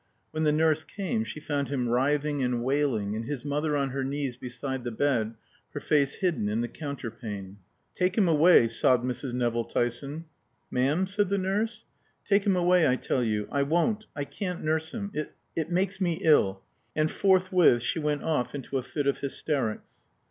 When the nurse came she found him writhing and wailing, and his mother on her knees beside the bed, her face hidden in the counterpane. "Take him away," sobbed Mrs. Nevill Tyson. "Ma'am?" said the nurse. "Take him away, I tell you. I won't I can't nurse him. It it makes me ill." And forthwith she went off into a fit of hysterics.